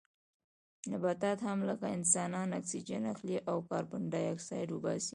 نباتات هم لکه انسانان اکسیجن اخلي او کاربن ډای اکسایډ وباسي